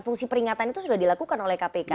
fungsi peringatan itu sudah dilakukan oleh kpk